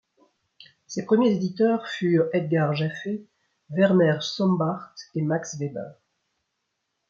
Ses premiers éditeurs furent Edgar Jaffé, Werner Sombart et Max Weber.